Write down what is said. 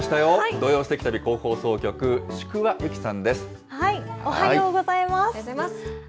土曜すてき旅、おはようございます。